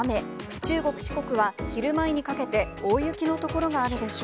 中国、四国は昼前にかけて大雪の所があるでしょう。